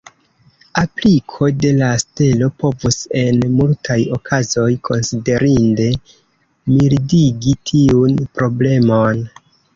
Apliko de la stelo povus en multaj okazoj konsiderinde mildigi tiun problemon.